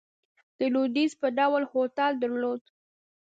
د لوېدیځ په ډول هوټل درلود.